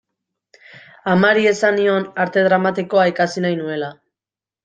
Amari esan nion Arte Dramatikoa ikasi nahi nuela.